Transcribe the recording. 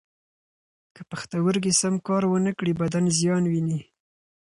که پښتورګي سم کار و نه کړي، بدن زیان ویني.